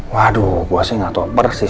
waduh gue sih gak topper sih